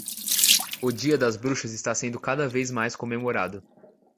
O dia das bruxas está sendo cada vez mais comemorado